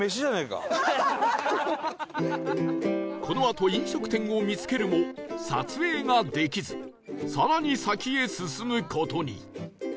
このあと飲食店を見つけるも撮影ができず更に先へ進む事に